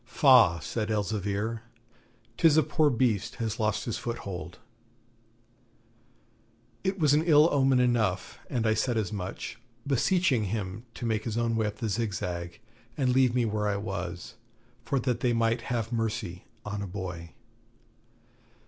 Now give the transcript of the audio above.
'Faugh,' said Elzevir, 'tis a poor beast has lost his foothold.' It was an ill omen enough, and I said as much, beseeching him to make his own way up the Zigzag and leave me where I was, for that they might have mercy on a boy.